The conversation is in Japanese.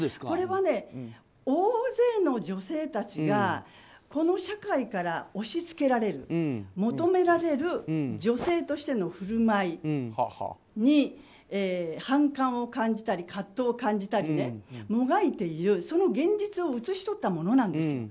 これは大勢の女性たちがこの社会から押し付けられる求められる女性としての振る舞いに反感を感じたり、葛藤を感じたりもがいている、その現実を写し取ったものなんです。